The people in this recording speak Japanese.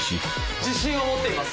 自信を持っています。